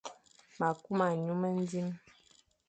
Ma a kuma nyu mendi,